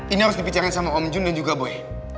ini harus dibicarakan sama om jun dan juga boy